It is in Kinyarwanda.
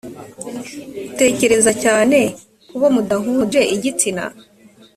utekereza cyane ku bo mudahuje igitsina